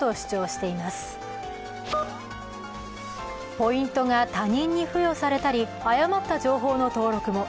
ポイントが他人に付与されたり誤った情報の登録も。